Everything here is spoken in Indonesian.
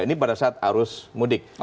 ini pada saat arus mudik